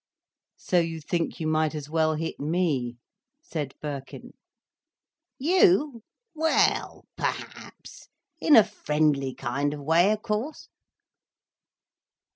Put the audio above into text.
"So you think you might as well hit me?" said Birkin. "You? Well! Perhaps—! In a friendly kind of way, of course."